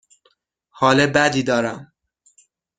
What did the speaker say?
حال بدی دارم.